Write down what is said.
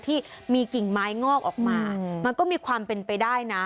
ที่มีกิ่งไม้งอกออกมามันก็มีความเป็นไปได้นะ